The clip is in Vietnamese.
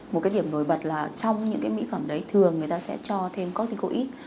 một cái điểm nổi bật là trong những cái mỹ phẩm đấy thường người ta sẽ cho thêm corticoid